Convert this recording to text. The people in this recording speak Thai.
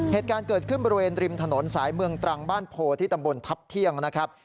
เหตุการณ์เกิดขึ้นบริเวณริมถนนสายเมืองตรังบ้านโพที่ตำบลทัพเที่ยงนะครับ